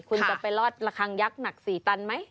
คุณจะไปรอดระคังยักษ์หนัก๔ตันไหม